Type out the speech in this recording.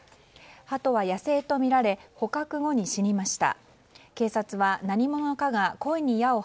ハトや野生とみられ捕獲後に死にました。